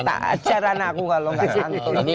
tak ajaran aku kalau enggak santun